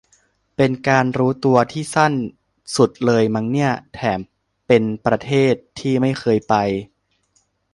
เป็นการรู้ตัวที่สั้นสุดเลยมั้งเนี่ย แถมเป็นประเทศที่ไม่เคยไป